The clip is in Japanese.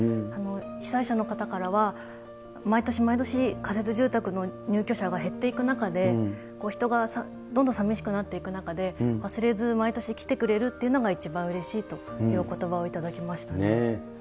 被災者の方からは、毎年毎年、仮設住宅の入居者が減っていく中で、人がどんどんさみしくなっていく中で、忘れず、毎年来てくれるっていうのが一番うれしいというおことばを頂きましたね。